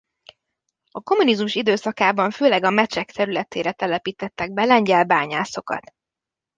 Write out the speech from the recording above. A kommunizmus időszakában főleg a Mecsek területére telepítettek be lengyel bányászokat.